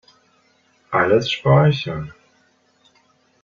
Alles speichern.